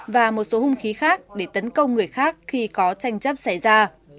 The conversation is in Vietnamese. và một số hung khí khác để tấn công người khác khi có tranh chấp xảy ra